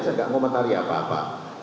saya gak mau mentari apa apa